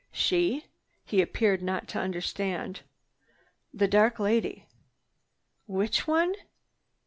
"She?" He appeared not to understand. "The dark lady." "Which one?"